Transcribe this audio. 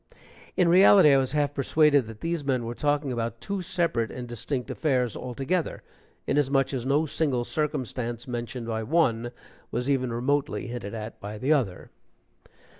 In reality, I was half persuaded that these men were talking about two separate and distinct affairs altogether, inasmuch as no single circumstance mentioned by one was even remotely hinted at by the other.